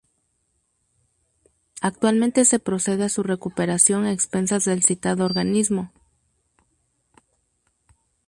Actualmente se procede a su recuperación, a expensas del citado organismo.